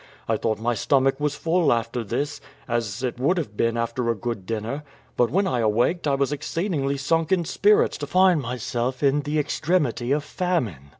I thought my stomach was full after this, as it would have been after a good dinner; but when I awaked I was exceedingly sunk in my spirits to find myself in the extremity of family.